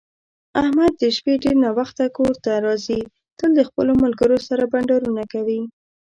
احمد د شپې ډېر ناوخته کورته راځي، تل د خپلو ملگرو سره بنډارونه کوي.